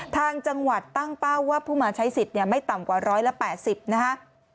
ทางจังหวัดตั้งเป้าว่าผู้มาใช้สิทธิ์ไม่ต่ำกว่า๑๘๐นะฮะ